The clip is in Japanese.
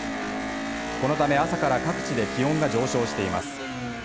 このため朝から各地で気温が上昇しています。